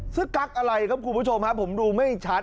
กั๊กอะไรครับคุณผู้ชมฮะผมดูไม่ชัด